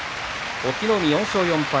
隠岐の海４勝４敗。